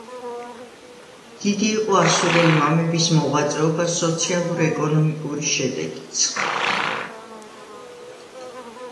დიდი იყო ასურელი მამების მოღვაწეობა სოციალურ-ეკონომიური შედეგიც.